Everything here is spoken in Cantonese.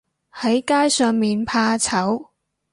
喺街上面怕醜